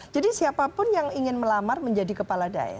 jadi siapapun yang ingin melamar menjadi kepala daerah